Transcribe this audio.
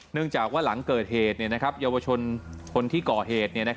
จากว่าหลังเกิดเหตุเยาวชนคนที่ก่อเหตุ